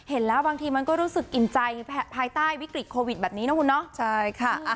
แล้วบางทีมันก็รู้สึกอิ่มใจภายใต้วิกฤตโควิดแบบนี้นะคุณเนาะใช่ค่ะ